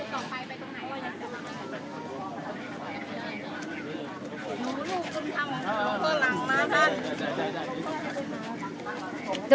แล้ว